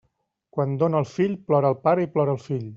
Quan dóna el fill, plora el pare i plora el fill.